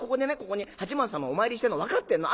ここに八幡様をお参りしてるの分かってんの？